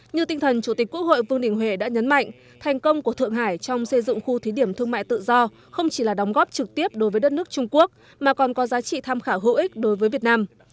như tinh thần chủ tịch quốc hội vương đình huệ đã nhấn mạnh thành công của thượng hải trong xây dựng khu thí điểm thương mại tự do không chỉ là đóng góp trực tiếp đối với đất nước trung quốc mà còn có giá trị tham khảo hữu ích đối với việt nam